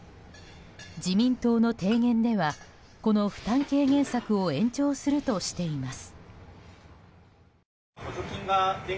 自民党の提言ではこの負担軽減策を延長するとしています。